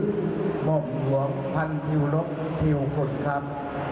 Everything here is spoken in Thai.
หม่อมหวงพันทิวลบทิวคนครับ